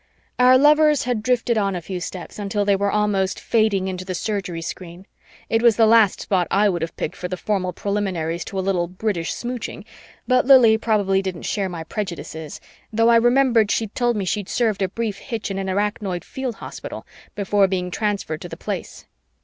Our lovers had drifted on a few steps until they were almost fading into the Surgery screen. It was the last spot I would have picked for the formal preliminaries to a little British smooching, but Lili probably didn't share my prejudices, though I remembered she'd told me she'd served a brief hitch in an Arachnoid Field Hospital before being transferred to the Place.